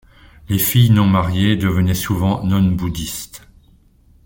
Les filles non-mariées devenaient souvent nonnes bouddhistes.